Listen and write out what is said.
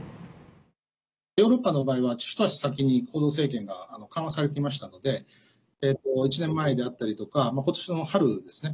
ヨーロッパの場合は一足先に行動制限が緩和されていましたので１年前であったりとか今年の春ですね